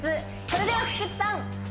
それでは菊地さん